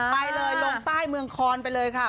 ไปเลยลงใต้เมืองคอนไปเลยค่ะ